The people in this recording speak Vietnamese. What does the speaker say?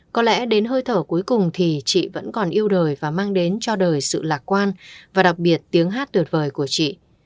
có lẽ đến hơi thở cuối cùng thì chị vẫn còn yêu đời và mang đến cho đời sự lạc quan và đặc biệt tiếng hát tuyệt vời của chị